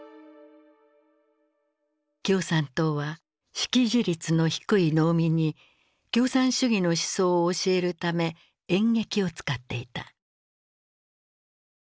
共産党は識字率の低い農民に共産主義の思想を教えるため演劇を使っていた。